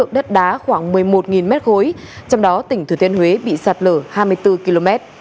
với lượng đất đá khoảng một mươi một m ba trong đó tỉnh thừa thiên huế bị sạt lở hai mươi bốn km